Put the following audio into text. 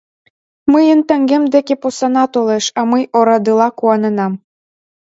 Мыйын таҥем деке посана толеш, а мый орадыла куаненам.